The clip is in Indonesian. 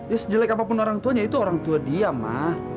ya sejelek apapun orang tuanya itu orang tua dia mah